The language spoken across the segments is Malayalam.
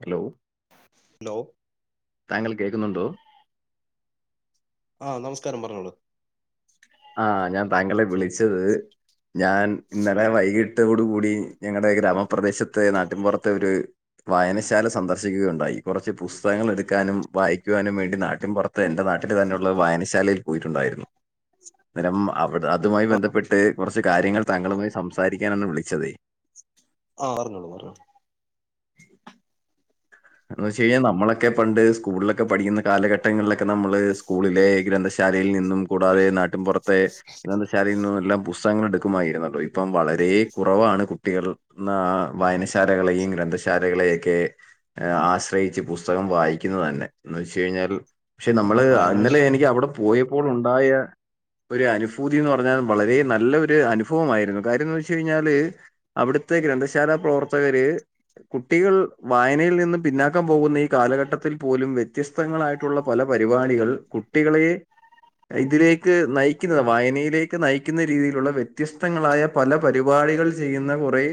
ഹലോ ലോ താങ്കൾ കേക്കുന്നുണ്ടൊ? ആഹ് നമസ്കാരം. പറഞ്ഞോളു. ആഹ് ഞാൻ താങ്കളെ വിളിച്ചത്. ഞാൻ ഇന്നലെ വൈകിട്ടോടു കൂടി ഞങ്ങടെ ഗ്രാമപ്രദേശത്തെ നാട്ടിൻപൊറത്ത ഒര്, വായനശാല സന്ദർശിക്കുകയുണ്ടായി. കൊറച്ച് പുസ്തകങ്ങള് എട്ക്കാനും വായി ക്കുവാനും വേണ്ടി, നാട്ടിൻ പൊറ്ത്തെ എന്റെ നാട്ടില് തന്നെ ഉള്ള വായനശാലയിൽ പോയിട്ടുണ്ടായിരുന്നു. അന്നേരം അവിട അതുമായി ആ ബന്ധപ്പെട്ട് കുറച്ച് കാര്യങ്ങൾ താങ്കളുമായി സംസാരിക്കാനാണ് വിളിച്ചതെ. ആഹ് പറഞ്ഞോളൂ പറഞ്ഞോളു. എന്ന് വച്ച കഴിഞ്ഞാൽ നമ്മളൊക്കെ പണ്ട് സ്കൂളിലൊക്കെ പഠിക്കുന്ന കാലഘട്ടങ്ങളിലൊക്കെ നമ്മള് സ്കൂളിലെ ഗ്രന്ഥശാലയിൽ നിന്നും, കൂടാതെ നാട്ടിൻപുറത്തെ, ഗ്രന്ഥശാലയിൽനിന്ന് എല്ലാം പുസ്തകങ്ങൾ എടുക്കുമായിരുന്നല്ലോ. ഇപ്പം വളരെ കുറവാണ് കുട്ടികൾ നാ വായനശാലകളെയും ഗ്രന്ഥശാലകളെയ ഒക്കെ ആശ്രയിച്ച് പുസ്തകം വായിക്കുന്നത് തന്നെ. എന്ന് വെച്ച് കഴിഞ്ഞാൽ പക്ഷെ നമ്മള് വായനാശ ഇന്നലെ എനിക്ക് അവിടെ പോയപ്പോൾ ഉണ്ടായ ഒരു അനുഭൂതി എന്ന് പറഞ്ഞാൽ, വളരെ നല്ലൊരു അനുഭവമായിരുന്നു. കാര്യംന്ന് വെച്ച കഴിഞ്ഞാല് അവിടുത്തെ ഗ്രന്ഥശാല പ്രവർത്തകര് കുട്ടികൾ വായനയിൽ നി ന്ന് പിന്നാക്കാൻ പോകുന്ന ഈ കാലഘട്ടത്തിൽ പോലും വ്യത്യസ്തങ്ങളായിട്ടുള്ള പല പരിപാടികൾ കുട്ടികളെ ഇതിലേക്ക് നയിക്കുന്നത് വായനയിലേക്ക് നയിക്കുന്ന രീതിയിലുള്ള വ്യത്യസ്തങ്ങളായ പല പരിപാടികൾ ചെയ്യുന്ന കുറേ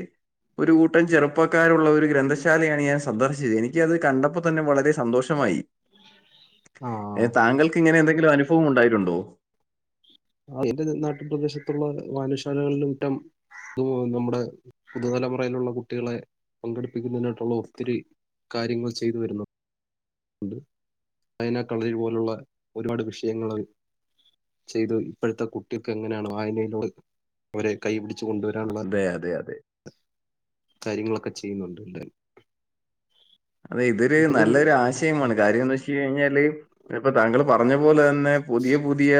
ഒരു കൂട്ടം ചെറുപ്പക്കാരുള്ള ഒരു ഗ്രന്ഥശാലയാണ് ഞാൻ സന്ദർശ ചത്. എനിക്ക് അത് കണ്ടപ്പോ തന്നെ വളരെ സന്തോഷമായി. ആ എ തങ്കൾക്ക് ഇങ്ങെന എന്തെങ്കിലും അനുഭവം ഉണ്ടായിട്ടുണ്ടോ? ആ എന്റെ നാട്ടിൻ പ്രദേശത്തുള്ള വായനശാലകളില റ്റം നമ്മുടെ പുതുതലമുറയിലുള്ള കുട്ടികളെ പങ്കെടുപ്പിക്കുന്നതിനായിട്ടുള്ള ഒത്തിരി കാര്യങ്ങൾ ചെയ്തു വരുന്നു. ഉണ്ട്. അതിനായിട്ടുള്ള ഇത് പോലുള്ള ഒരുപാട് വിഷയങ്ങൾ ചെയ്തു, ഇപ്പോഴത്തെ കുട്ടിക്ക് എങ്ങനെയാണ് വായനയിലൂടെ അവരെ കൈപിടിച്ച കൊണ്ടുവരാനുള്ള അതെ അതെ അതെ കാര്യങ്ങളൊക്കെ ചെയ്യുന്നുണ്ട് എന്താലും. അതെ, ഇതൊരു നല്ലൊരു ആശയമാണ്. കാര്യംന്ന് വെച്ച കഴിഞ്ഞാൽ താങ്കൾ പറഞ്ഞ പോലെ തന്നെ പുതിയ പുതിയ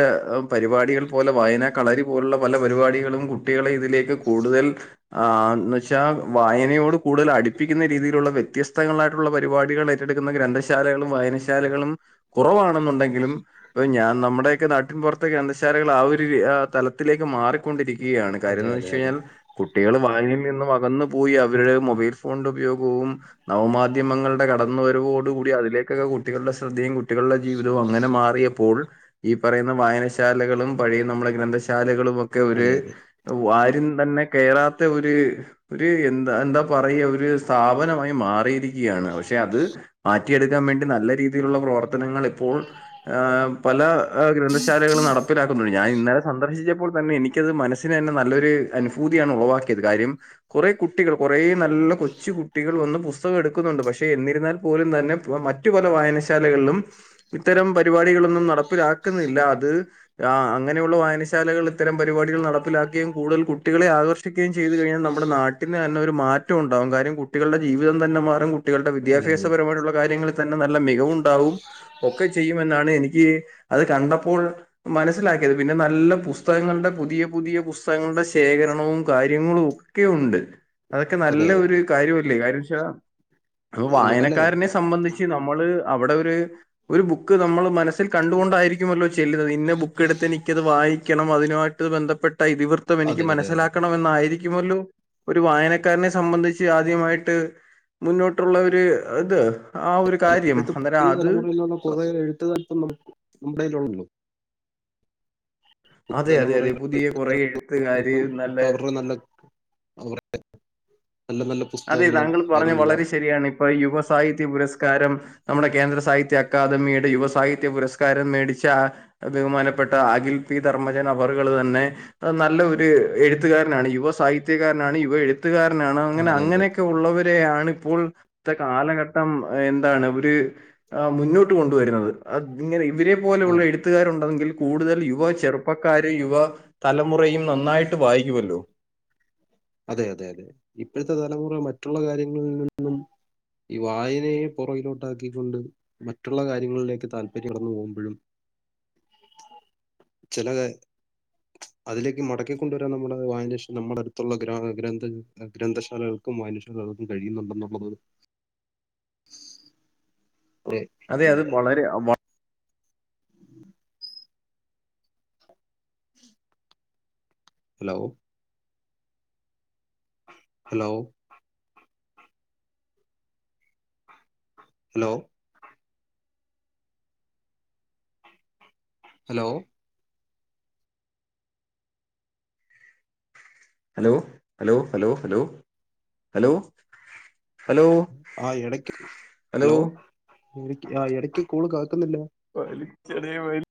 പരിപാടികൾ പോലെ വായന കളരി പോലുള്ള പല പരിപാടികളും കുട്ടികളെ ഇതിലേക്ക് കൂടുതൽ ആൻ നഷ് വായനയോട് കൂടുതൽ അടുപ്പിക്കുന്ന രീതിയിലുള്ള വ്യത്യസ്തങ്ങളായിട്ടുള്ള പരിപാടികൾ ഏറ്റെടുക്കുന്ന ഗ്രന്ഥശാലകളും വായനശാലകളും കുറവാണ് ണ്ടെങ്കിലും ഞാൻ നമ്മുടെൊക്കെ നാട്ടി പുറത്ത ഗ്രന്ഥശാലകൾ ആ ഒരു തലത്തിലേക്ക് മാറി കൊണ്ടിരിക്കുകയാണ് കാര്യം അതെ എന്ന് അതെ വെച്ച് അതെ കഴിഞ്ഞാൽ കുട്ടികൾ വായനയിൽ നിന്ന് അകന്ന് പോയി അവരുടെ മൊബൈൽ ഫോണിന്റെ ഉപയോഗവും നവമാധ്യമങ്ങളുടെ കടന്നുരവോടൂകൂടി അതിലേക്ക് ക്കെക്കെ കുട്ടികളുടെ ശ്രദ്ധയും കുട്ടികളുടെ ജീവിതവും അങ്ങനെ മാറിയപ്പോൾ ഈ പറയുന്ന വായനശാലകളും പഴയ നമ്മളുടെ ഗ്രന്ഥശാലകളും ഒക്കെ ഒര് അതെ അതെ ആരും തന്നെ കയറാത്ത ഒരു ഒരു എന്താ എന്താ പറയ ഒരു സ്ഥാപനമായി മാറിയിരിക്കുകയാണ് പക്ഷെ അത് മാറ്റിയെടുക്കാൻ വേണ്ടി നല്ല രീതിയിലുള്ള പ്രവർ ത്തനങ്ങളിപ്പോൾ പല ഗ്രന്ഥശാലകളും നട തിലാക്കുന്നു ഞാൻ ഇന്നലെ സന്ദർശിച്ചപ്പോൾ തന്നെ എനിക്കത് മനസിന് തന്നെ നല്ലൊരു അനുഭൂതിയാണ് ഉളവാക്കിയത് കാര്യം കുറേ കുട്ടികൾ കുറേ നല്ല കൊച്ചു കുട്ടികൾ വന്ന് പുസ് പുസ്തകം എടുക്കുന്നുണ്ട് പക്ഷെ എന്നിരുന്നാൽ പോലും തന്നെ മറ്റു പല വായനശാലകളിലും ഇത്തരം പരിപാടികളൊന്നും നടപ്പിലാക്കുന്നില്ല അത് അങ്ങനെയുള്ള വായനശാലകളിൽ ഇത്തരം പരിപാടികൾ നടപ്പിലാക്കുകയും കൂടുതൽ കുട്ടികളെ ആകർഷിക്കുകയും ചെയ്തു കഴിഞ്ഞാൽ നമ്മുടെ നാട്ടിന് തന്നെ ഒരു മാറ്റം മാറ്റ ഉണ്ടാവും കാര്യം കുട്ടികളുടെ ജീവിതം തന്നെ മാറും കുട്ടികളുടെ അതെ അതെ വിദ്യാഭ്യാസപരമായിട്ടുള്ള കാര്യൾ തന്നെ നല്ല മികവുണ്ടാവും ഒക്കെ ചെയ്യുമെന്നാണ് എനിക്ക് അത് കണ്ടപ്പോൾ മനസ്സിലാക്കിയത് പിന്നെ നല്ല പുസ് പുസ്തകങ്ങളുടെ പുതിയ പുതിയ പുസ്തകങ്ങളുടെ ശേഖരണവും കാര്യങ്ങളും ഒക്കെ ഉണ്ട് അതൊക്കെ അതെ നല്ല അതെ ഒരു കാര്യമല്ലേ കാര്യ വച്ചാ ഇപ്പ അല്ല വായനക്കാരനെ സംബന്ധിച്ച് നമ്മള് അവിടെ ഒരു ബുക്ക് നമ്മള് മന മനസ്സിൽ കണ്ടുകൊണ്ടായിരിക്കുമല്ലോ ചെല്ലുന്നത് ഇന്ന ബുക്കെടുത്ത് എനിക്കത് വായിക്കണം അതിനമായിട്ട് ബന്ധപ്പെട്ട ഇതിവർ തം എനിക്ക് അതെ അതെ അതെ മനസ്സിലാക്കണം എന്നായിരിക്കുമല്ലോ ഒരു വായനക്കാരനെ സംബന്ധിച്ച് ആദ്യമായിട്ട് മുന്നോട്ടുള്ള ഒരു ഇത് ആ ഒരു കാര്യം ഇപ്പോഴത്തെ അന്നേരം പുതിയ അത് തലമുറയിൽന്നുള്ള കുറകെ എഴു തത്തും നമ്മുടെേൽ ഉള്ളോ അതെ അതെ തലമുറ അതെ പുതിയ കുറെ ഇപ്പ എഴുത്തുകാര് ഇപ്പൊ നല്ല അവരുടെ നല്ല അവ നല്ല നല്ല അതെ പുസ്തകങ്ങളും താങ്കൾ പറഞ്ഞ കാര്യങ്ങളെല്ലാം വളരെ ശരിയാണ് ഇപ്പൊ യുവ സാഹിത്യ പുരസ്കാരം നമ്മുടെ കേന്ദ്ര സാഹിത്യ അക്കാദമിയുടെ യുവ സാഹിത്യ പുരസ്കാരം മേടിച്ച ബഹുമാനപ്പെട്ട അഖിൽ പി ധർമ്മജൻ അവറുകള് തന്നെ അഹ് നല്ല ഒരു എഴുത്തുകാരനാണ് യുവ സാഹിത്യകാരനാണ് യുവ എഴുത്തുകാരനാണ് അങ്ങനെ അതെ അതെ അങ്ങനെയൊക്കെ ഉള്ളവരാണ് ഇപ്പോഴത്തെ കാലഘട്ടം എന്താണ് ഒരു ആഹ് മുന്നോട്ട് കൊണ്ടുവരുന്നത് അ ഇങ്ങനെ ഇവരെ പോലെയുള്ള അത് എഴുത്തുകാരുണ്ടെങ്കിൽ കൂടുതൽ യുവ ചെറുപ്പ ഉപ്പക്കാര് യുവ തലമുറയും നന്നായിട്ട് വായിക്കുവല്ലോ അതെ അതെ അതെ ഇപ്പോഴത്തെ തലമുറ മറ്റുള്ള കാര്യങ്ങളിൽ നിന്നൊന്നും ഈ വായനയെ പുറകിലോട്ടാകൊണ്ട് മറ്റുള്ള കാര്യങ്ങളിലേക്ക് താല്പര്യം കടന്നു പോകുമ്പഴും ചിലക അതിലേക്ക് മടക്കിക്കൊണ്ടുവരാൻ നമ്മുടെ വായേഷം നമ്മുടെ അടുത്തുള്ള ഗ്ര ഗ്രന്ഥങ്ങ ഗ്രന്ഥശാലകൾക്കും വായന്യശാലകൾക്കും കഴിയുന്നുണ്ടെന്നള്ളത് ഒരു അതെ നല്ല അത് കാര്യം. വളരെ വള് hello hello hello hello hello hello hello hello hello hello ആഹ് എടയ്ക്ക് ഹലോ ആഹ് എടയ്ക്ക് കോള് കാക്ക്ന്നില്ല വലിച്ചെറിയ വെളി